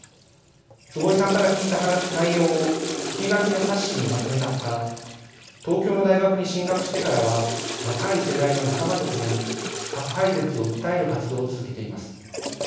坪井さんから聞いた内容を聞き書きの冊子にまとめた他東京の大学に進学してからは若い世代の仲間とともに核廃絶を訴える活動を続けています。